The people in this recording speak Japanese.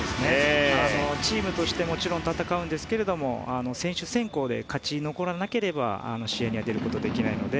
チームとしてもちろん戦うんですが選手選考で勝ち残らなければ試合に出ることができないので。